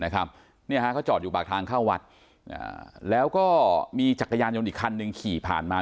เขาจอดอยู่ปากทางเข้าวัดแล้วก็มีจักรยานยนต์อีกคันหนึ่งขี่ผ่านมา